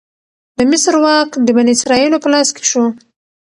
د مصر واک د بنی اسرائیلو په لاس کې شو.